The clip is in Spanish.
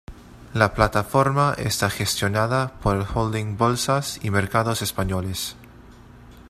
La plataforma está gestionada por el holding Bolsas y Mercados Españoles.